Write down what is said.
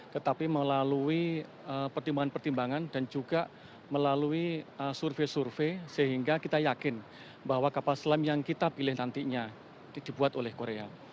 tetapi melalui pertimbangan pertimbangan dan juga melalui survei survei sehingga kita yakin bahwa kapal selam yang kita pilih nantinya dibuat oleh korea